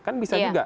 kan bisa juga